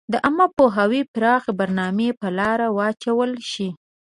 د عامه پوهاوي پراخي برنامي په لاره واچول شي.